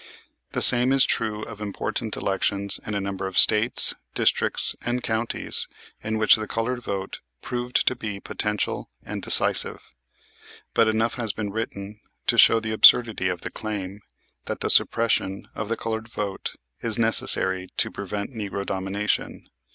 The same is true of important elections in a number of States, districts and counties in which the colored vote proved to be potential and decisive. But enough has been written to show the absurdity of the claim that the suppression of the colored vote is necessary to prevent "Negro Domination."